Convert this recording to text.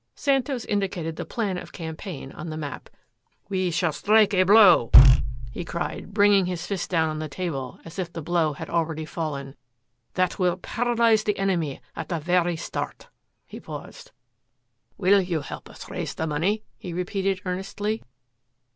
Santos indicated the plan of campaign on the map. "We shall strike a blow," he cried, bringing his fist down on the table as if the blow had already fallen, "that will paralyze the enemy at the very start!" He paused. "Will you help us raise the money?" he repeated earnestly.